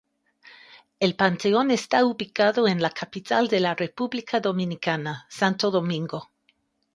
El Panteón está ubicado en la capital de la República Dominicana, Santo Domingo.